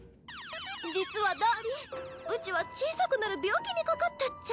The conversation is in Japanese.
実はダーリンうちは小さくなる病気にかかったっちゃ。